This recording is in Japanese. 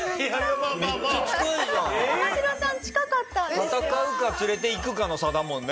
戦うか連れて行くかの差だもんね。